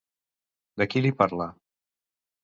De qui li parla?